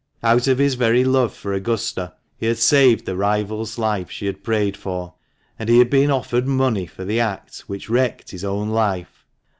Out of his very love for Augusta he had saved the rival's life she had prayed for. And he had been offered money for the act which wrecked his own life.